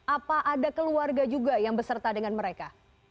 apa ada keluarga juga yang beserta dengan mereka